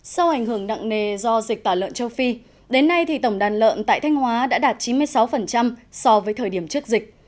sau ảnh hưởng nặng nề do dịch tả lợn châu phi đến nay thì tổng đàn lợn tại thanh hóa đã đạt chín mươi sáu so với thời điểm trước dịch